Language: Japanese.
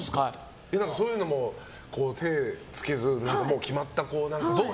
そういうのも手つけずに決まったものをって。